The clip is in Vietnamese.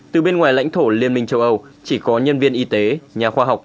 từ bên ngoài lãnh thổ liên minh châu âu chỉ có nhân viên y tế nhà khoa học